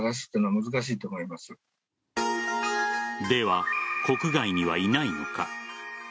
では、国外にはいないのか。